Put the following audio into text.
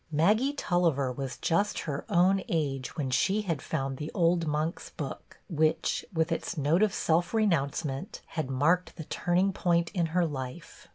Maggie Tulliver was just her own age when she had found the old monk's book, which, with its note of self renouncement, had marked the turning point in her life.